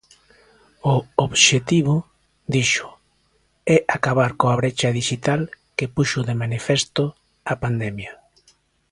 O obxectivo, dixo, é acabar coa brecha dixital que puxo de manifesto a pandemia.